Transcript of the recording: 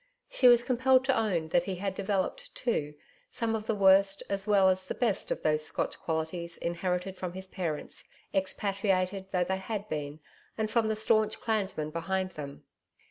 She was compelled to own that he had developed, too, some of the worst as well as the best of those Scotch qualities inherited from his parents, expatriated though they had been, and from the staunch clansmen behind them.